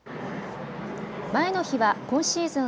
前の日は今シーズン